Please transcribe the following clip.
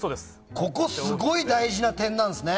ここ、すごい大事な点なんですね。